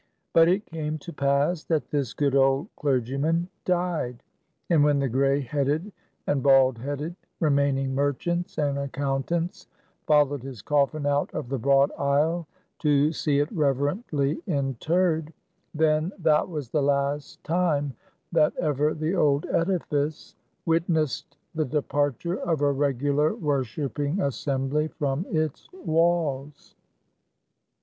But it came to pass, that this good old clergyman died; and when the gray headed and bald headed remaining merchants and accountants followed his coffin out of the broad aisle to see it reverently interred; then that was the last time that ever the old edifice witnessed the departure of a regular worshiping assembly from its walls.